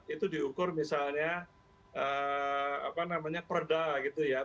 itu diukur misalnya apa namanya perda gitu ya